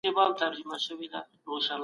عدالت د ظلم مخه نيسي.